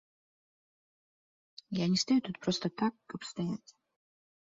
Я не стаю тут проста так, каб стаяць.